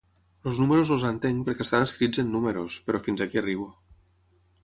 Els números els entenc perquè estan escrits en números, però fins aquí arribo.